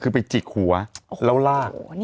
คือไปจิกหัวแล้วลาก